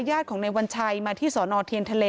ย่าของในวันชัยมาที่สอเทียนทะเล